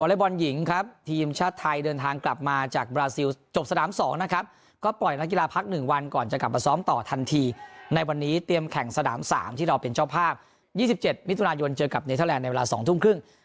เล็กบอลหญิงครับทีมชาติไทยเดินทางกลับมาจากบราซิลจบสนาม๒นะครับก็ปล่อยนักกีฬาพัก๑วันก่อนจะกลับมาซ้อมต่อทันทีในวันนี้เตรียมแข่งสนาม๓ที่เราเป็นเจ้าภาพ๒๗มิถุนายนเจอกับเนเทอร์แลนดในเวลา๒ทุ่มครึ่ง